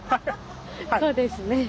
そうですね。